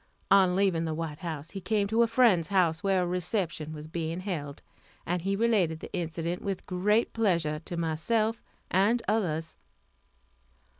On leaving the White House he came to a friend's house where a reception was being held, and he related the incident with great pleasure to myself and others.